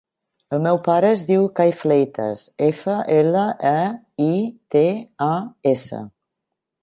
El meu pare es diu Cai Fleitas: efa, ela, e, i, te, a, essa.